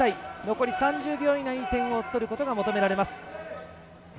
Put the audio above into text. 残り３０秒以内に点を取ることが求められます。